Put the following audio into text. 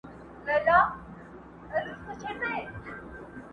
خو تر مرګه یې دا لوی شرم په ځان سو!!